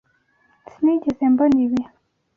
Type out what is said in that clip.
Sinigeze mbona ibi.